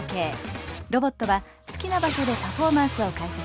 ロボットは好きな場所でパフォーマンスを開始します。